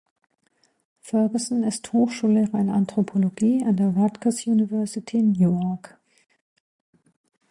Ferguson ist Hochschullehrer in Anthropologie an der Rutgers University Newark.